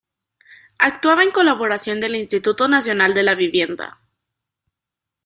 Actuaba en colaboración del Instituto Nacional de la Vivienda.